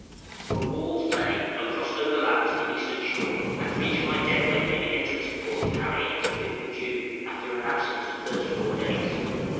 {RETURNING HOMEWARD.} From Walls' Bay I crossed overland to the eastern shore, and reached my depôt near the entrance of Port Parry on the 5th June, after an absence of thirty four days.